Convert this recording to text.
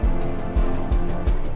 aku ingin tahu